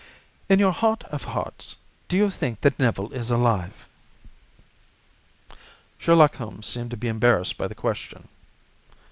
"In your heart of hearts, do you think that Neville is alive?" Sherlock Holmes seemed to be embarrassed by the question.